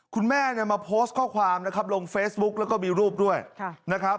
คุณแม่เนี่ยมาโพสต์ข้อความนะครับลงเฟซบุ๊กแล้วก็มีรูปด้วยนะครับ